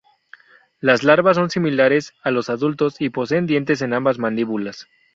Las larvas son similares a los adultos y poseen dientes en ambas mandíbulas.